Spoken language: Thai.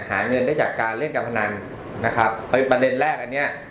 หาเงินได้จากการเล่นการพนันนะครับเฮ้ยประเด็นแรกอันเนี้ย